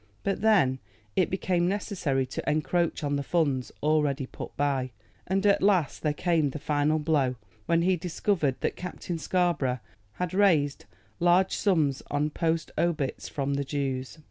But then it became necessary to encroach on the funds already put by, and at last there came the final blow, when he discovered that Captain Scarborough had raised large sums on post obits from the Jews.